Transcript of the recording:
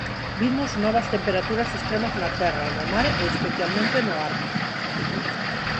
Vimos novas temperaturas extremas na terra, no mar e especialmente no Ártico.